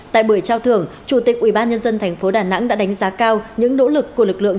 tại buổi trao thưởng chủ tịch ubnd tp đà nẵng đã đánh giá cao những nỗ lực của lực lượng